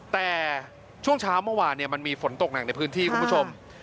แต่ช่วงเช้าเมื่อวานมันมีฝนตกหนักในพื้นที่คุณผู้ชม